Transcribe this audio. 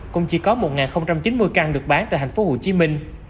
cũng chỉ có một chín mươi căn được bán tại thành phố hồ chí minh